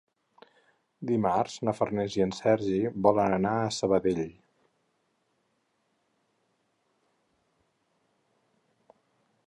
Dimarts na Farners i en Sergi volen anar a Sabadell.